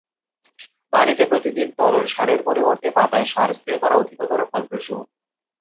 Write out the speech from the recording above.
পানিতে প্রতিদিন তরল সারের পরিবর্তে পাতায় সার স্প্রে করা অধিকতর ফলপ্রসূ।